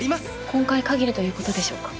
今回限りという事でしょうか？